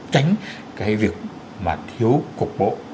tránh cái việc mà thiếu cục bộ